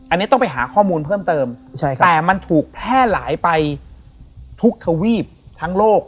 อันนี้ต้องไปหาข้อมูลเพิ่มเติมแต่มันถูกแพร่หลายไปทุกทวีปทั้งโลก